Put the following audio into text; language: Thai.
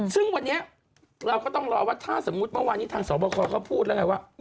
ซึ่งวันนี้เราก็ต้องรอว่าถ้าสมมุติเมื่อวานนี้ทางสอบคอเขาพูดแล้วไงว่า